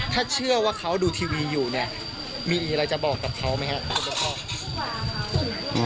ถ้าเชื่อว่าเขาดูทีวีอยู่เนี่ยมีอะไรจะบอกกับเขาไหมครับ